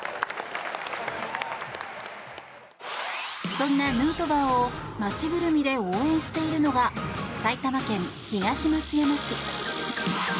そんなヌートバーを街ぐるみで応援しているのが埼玉県東松山市。